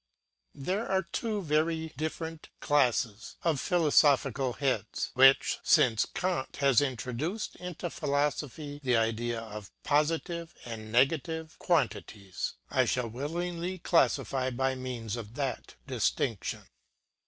There are two very different classes of philosophical heads which, since Kant has introduced into philosophy the idea of positive and negative quantities, I shall willingly classify by means of that distinction.